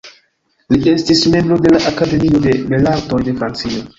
Li estis membro de la Akademio de Belartoj de Francio.